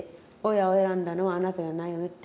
親を選んだのはあなたじゃないよねって。